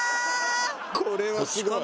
これはすごい。